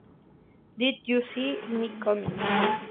Did You See Me Coming?